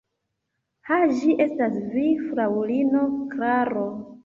Ha, ĝi estas vi, fraŭlino Klaro!